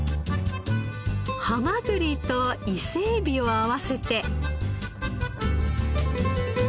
ハマグリと伊勢エビを合わせて。